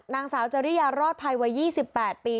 นางสาวจริยารอดภัยวัย๒๘ปี